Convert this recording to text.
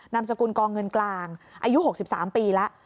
นามสกุลกองเงินกลางอายุ๖๓ปีแล้ว